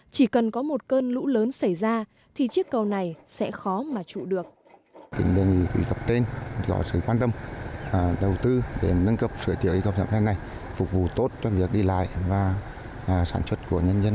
chỉ cần có một cơn lũ lớn xảy ra thì chiếc cầu này sẽ khó mà trụ được